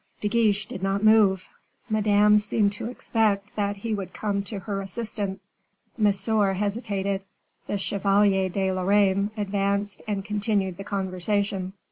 De Guiche did not move. Madame seemed to expect that he would come to her assistance. Monsieur hesitated. The Chevalier de Lorraine advanced and continued the conversation.